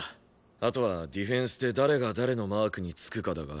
あとはディフェンスで誰が誰のマークにつくかだが。